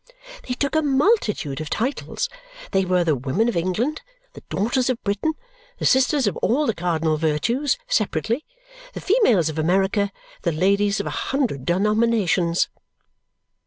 They took a multitude of titles. They were the Women of England, the Daughters of Britain, the Sisters of all the cardinal virtues separately, the Females of America, the Ladies of a hundred denominations.